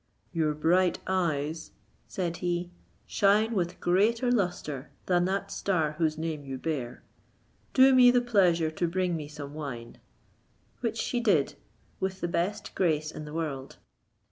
"Your bright eyes," said he, "shine with greater lustre than that star whose name you bear. Do me the pleasure to bring me some wine," which she did with the best grace in the world.